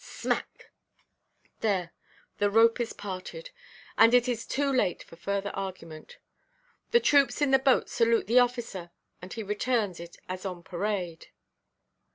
Smack—there, the rope is parted, and it is too late for further argument. The troops in the boat salute the officer, and he returns it as on parade."